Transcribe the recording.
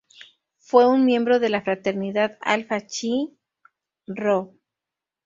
Fue un miembro de la fraternidad Alfa Chi Rho.